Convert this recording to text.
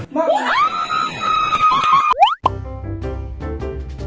มีกินไก่เลยเว้ย